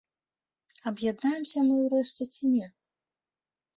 Аб'яднаемся мы ў рэшце ці не?